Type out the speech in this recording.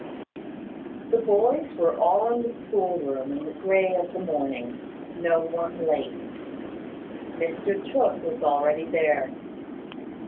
The boys were all in the school room in the grey of the morning; no one late. Mr Tooke was already there.